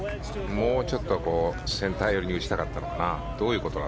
もうちょっとセンター寄りに打ちたかったのかな。